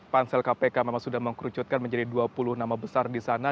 pansel kpk memang sudah mengkerucutkan menjadi dua puluh nama besar di sana